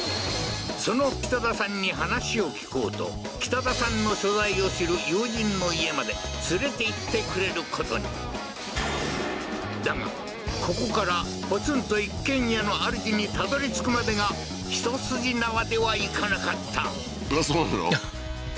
その北田さんに話を聞こうと北田さんの所在を知る友人の家まで連れていってくれることにだがここからポツンと一軒家のあるじにたどり着くまでが一筋縄ではいかなかったあらそうなの？